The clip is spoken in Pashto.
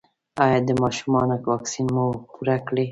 ایا د ماشومانو واکسین مو پوره کړی؟